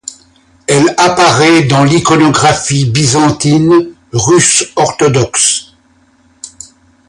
Elle apparaît dans l'iconographie byzantine, russe orthodoxe.